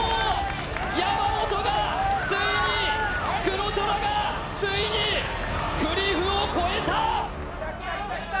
山本がついに、黒虎がついにクリフを越えた。